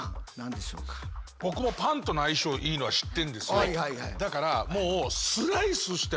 僕もパンとの相性いいのは知ってんですよ。